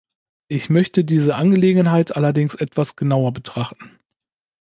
Ich möchte diese Angelegenheit allerdings etwas genauer betrachten.